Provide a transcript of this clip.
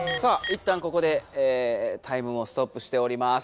いったんここでタイムをストップしております。